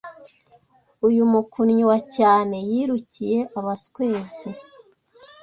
Umukunnyi wa cyane yikururiye abaswezi